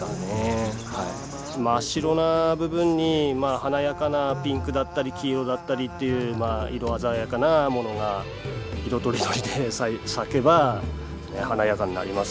真っ白な部分にまあ華やかなピンクだったり黄色だったりっていう色鮮やかなものが色とりどりで咲けば華やかになりますよね。